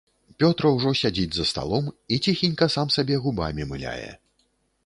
Пётра ўжо сядзіць за сталом і ціхенька сам сабе губамі мыляе.